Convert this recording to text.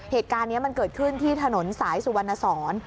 เหตุการณ์นี้มันเกิดขึ้นที่ถนนสายสุวรรณสอน